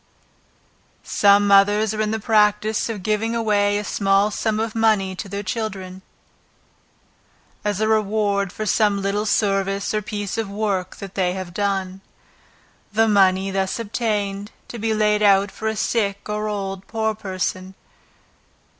Some mothers are in the practice of giving a small sum of money to their children, as a reward for some little service or piece of work that they have done. The money thus obtained, to be laid out for a sick or old poor person.